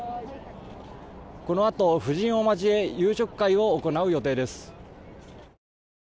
このあと夫人を交え夕食会を行う予定です。